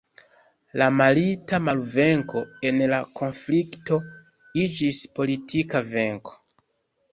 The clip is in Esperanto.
La milita malvenko en la konflikto iĝis politika venko.